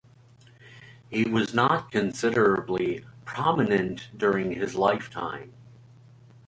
He was not considerably prominent during his lifetime.